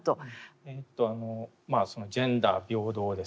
えとまあそのジェンダー平等ですね。